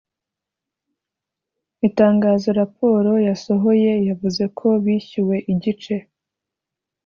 Itangazo Raporal yasohoye yavuze ko bishyuwe igice